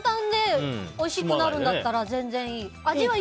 簡単でおいしくなるんだったら全然いい。